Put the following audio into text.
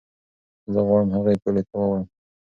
زه غواړم هغې پولې ته واوړم.